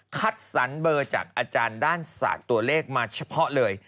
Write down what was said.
คัดสรรเบอร์จากอาจารย์ด้านศาสตร์ตัวเลขมาเฉพาะเลย